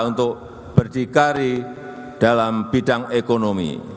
untuk berdikari dalam bidang ekonomi